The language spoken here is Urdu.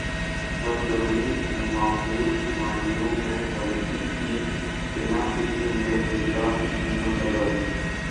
سرگرمی ماخوذ منڈیوں میں ہلکی تھِی بِنا کسی نئے اجراء کی قیمت لگائے